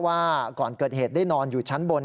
ว่าก่อนเกิดเหตุได้นอนอยู่ชั้นบน